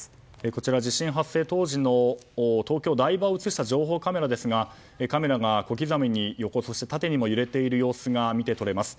こちらは地震発生当時の東京・台場を映した情報カメラですがカメラが小刻みに横そして縦にも揺れている様子が見て取れます。